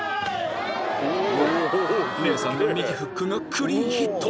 姉さんの右フックがクリーンヒット！